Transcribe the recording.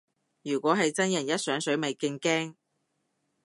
如果係真人一上水咪勁驚